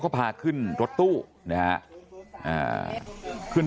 หกสิบล้านหกสิบล้าน